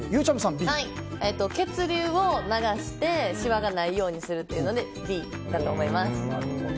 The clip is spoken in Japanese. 血流を流してシワがないようにするというのでＢだと思います。